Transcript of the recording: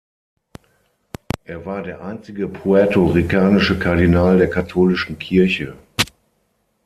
Er war der einzige puerto-ricanische Kardinal der katholischen Kirche.